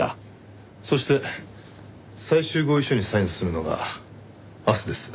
そして最終合意書にサインするのが明日です。